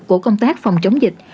của công tác phòng chống dịch